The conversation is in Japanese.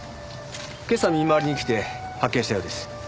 今朝見回りに来て発見したようです。